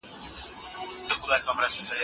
ولي د صنعتي سکتور پراختیا د کارګرو اړتیا زیاتوي؟